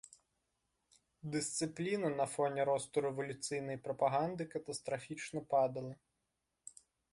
Дысцыпліна на фоне росту рэвалюцыйнай прапаганды катастрафічна падала.